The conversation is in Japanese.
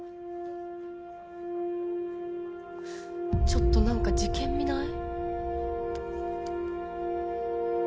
ちょっとなんか事件味ない？